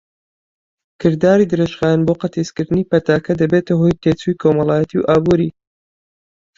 کرداری درێژخایەن بۆ قەتیسکردنی پەتاکە دەبێتە هۆی تێچووی کۆمەڵایەتی و ئابووری.